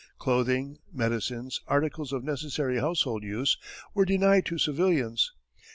Clothing, medicines, articles of necessary household use were denied to civilians.